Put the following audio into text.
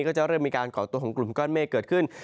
ก็จะเริ่มมีการก่อตัวของกลุ่มก้อนเมฆเกิดขึ้น